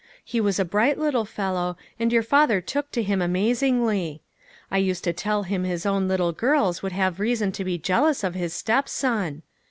He was a bright little fellow, and your father took to him amazingly. I used to tell him his own little girls would have reason to be jealous of his step son.